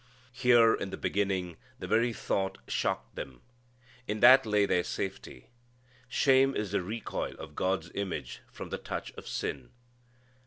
Here, in the beginning, the very thought shocked them. In that lay their safety. Shame is the recoil of God's image from the touch of sin.